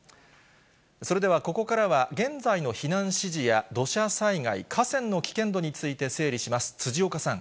それではここからは、現在の避難指示や土砂災害、河川の危険度について整理します。